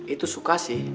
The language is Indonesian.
itu suka sih